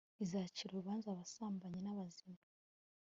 izacira urubanza abasambanyi nabazima